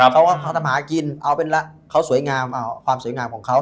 เขาก็เขาทำหากินเอาเป็นละเขาสวยงามความสวยงามของเขา